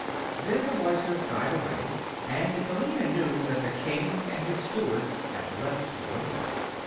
Then the voices died away, and Billina knew that the King and his Steward had left the room.